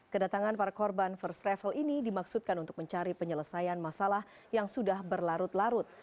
kedatangan para korban first travel ini dimaksudkan untuk mencari penyelesaian masalah yang sudah berlarut larut